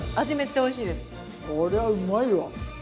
こりゃうまいわ。